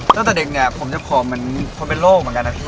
ตั้งแต่เด็กเนี้ยผมจะพอเป็นโลกเหมือนกันอะพี่